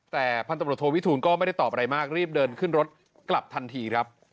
แต่พันตำรวจโทวิทูลก็ไม่ได้ตอบอะไรมากรีบเดินขึ้นรถกลับทันทีครับ